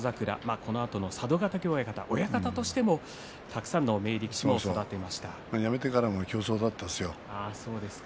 このあと佐渡ヶ嶽親方親方としてもたくさんの辞めてからも競争だったですよ。